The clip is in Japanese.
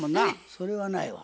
それはないわ。